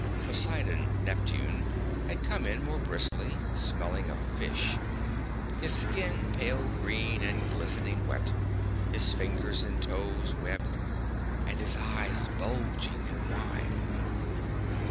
Poseidon/Neptune had come in more briskly, smelling of fish, his skin pale green and glistening wet, his fingers and toes webbed and his eyes bulging and wide.